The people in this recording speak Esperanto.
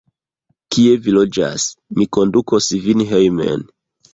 Kie vi loĝas? Mi kondukos vin hejmen.